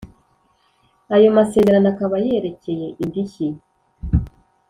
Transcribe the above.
ayo masezerano akaba yerekeye indishyi